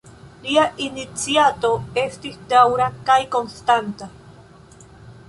Lia iniciato estis daŭra kaj konstanta.